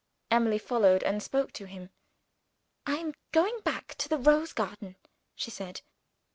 Emily followed and spoke to him. "I am going back to the rose garden," she said.